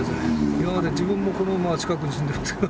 今まで自分もこのまあ近くに住んでるんですけど。